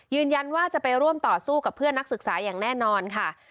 ยืนยันว่าจะไปร่วมต่อสู้กับเพื่อนนักศึกษาอย่างแน่นอนค่ะ